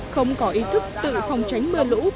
không có ý thức tự phòng tránh mưa lũ